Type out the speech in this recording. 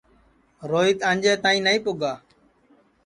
روہیت آنجے تائی نائی پُگا